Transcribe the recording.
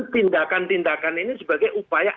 tindakan tindakan ini sebagai upaya